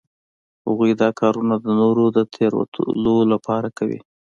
هغوی دا کارونه د نورو د تیروتلو لپاره کوي